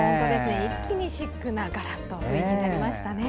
一気にシックな雰囲気になりましたね。